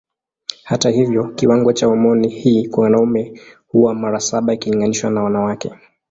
Hata hivyo kiwango cha homoni hii kwa wanaume huwa mara saba ikilinganishwa na wanawake.